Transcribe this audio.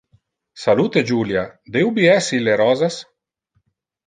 Salute Julia! De ubi es ille rosas?